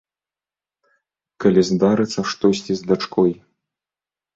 Калі здарыцца штосьці з дачкой?